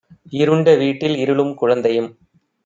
இருண்ட வீட்டில் இருளும் குழந்தையும்